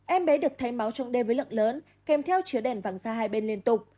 em bé được thấy máu trong đêm với lượng lớn kèm theo chứa đèn vàng da hai bên liên tục